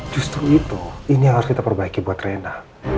justru itu ini yang harus kita perbaiki buat rena